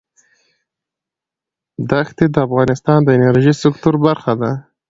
دښتې د افغانستان د انرژۍ سکتور برخه ده.